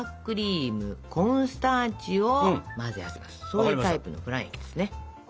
そういうタイプのフラン液ですね。